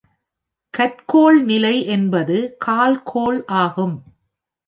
கற்கோள்நிலை என்பது கால் கோள் ஆகும்.